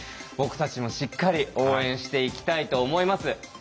僕たちもしっかり応援していきたいと思います。